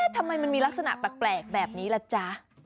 ทำไมมันมีลักษณะแปลกแบบนี้ล่ะจ๊ะ